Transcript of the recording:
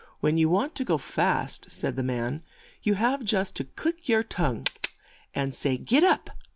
"When you want to go fast," said the man, "you have just to click your tongue, and say ' Get up